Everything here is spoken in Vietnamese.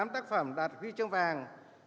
bốn mươi tám tác phẩm đạt huy chương vàng